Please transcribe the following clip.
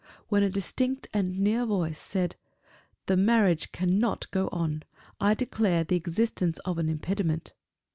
when a distinct and near voice said, "The marriage cannot go on: I declare the existence of an impediment."